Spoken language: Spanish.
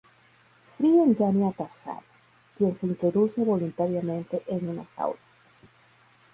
Fry engaña a Tarzán, quien se introduce voluntariamente en una jaula.